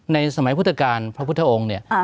ในสมัยพุทธกาลพระพุทธองค์เนี่ย